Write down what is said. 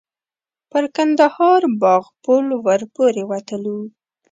پر کندهار باغ پل ور پورې وتلو.